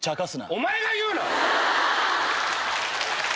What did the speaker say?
お前が言うな‼